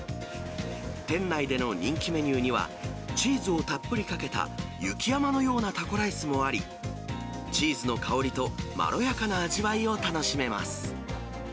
店内での人気メニューには、チーズをたっぷりかけた雪山のようなタコライスもあり、チーズの香りとまろやかな味わいを楽しめます。